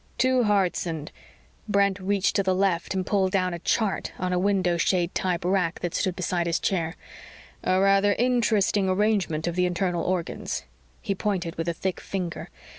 _"... two hearts and " Brent reached to the left and pulled down a chart on a window shade type rack that stood beside his chair, " a rather interesting arrangement of the internal organs." He pointed with a thick finger.